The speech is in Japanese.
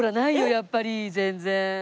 やっぱり全然。